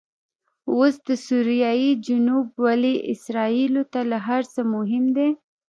اوس دسوریې جنوب ولې اسرایلو ته له هرڅه مهم دي؟